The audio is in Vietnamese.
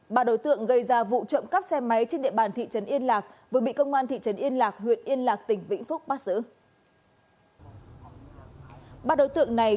bà đối tượng gây ra vụ trộm cắp xe máy trên địa bàn thị trấn yên lạc vừa bị công an thị trấn yên lạc huyện yên lạc tỉnh vĩnh phúc bắt giữ